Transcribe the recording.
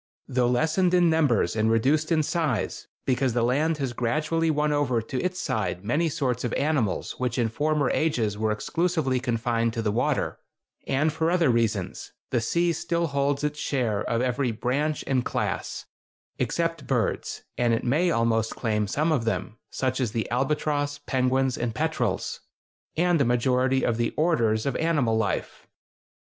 Though lessened in numbers and reduced in size, because the land has gradually won over to its side many sorts of animals which in former ages were exclusively confined to the water, and for other reasons, the sea still holds its share of every "branch" and "class" (except birds, and it may almost claim some of them, such as the albatross, penguins, and petrels), and a majority of the "orders" of animal life.